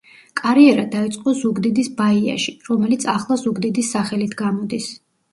კარიერა დაიწყო ზუგდიდის „ბაიაში“, რომელიც ახლა ზუგდიდის სახელით გამოდის.